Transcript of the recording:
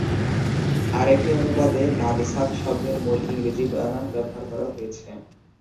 আরেকটি অনুবাদে নাদসাত শব্দের মূল ইংরেজি বানান ব্যবহার করা হয়েছে।